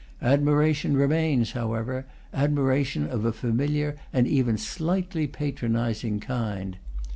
Admiration remains, how ever, admiration of a familiar and even slightly patronizing kind.